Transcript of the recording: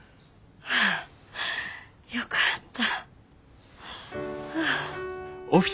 あぁよかった。